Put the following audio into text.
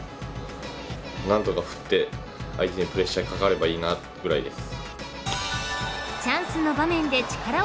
何とか振って相手にプレッシャーかかればいいなくらいです。